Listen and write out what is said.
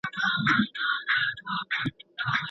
او یوه سپینه بته